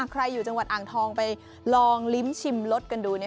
ใครอยู่จังหวัดอ่างทองไปลองลิ้มชิมรสกันดู